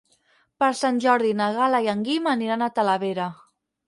Per Sant Jordi na Gal·la i en Guim aniran a Talavera.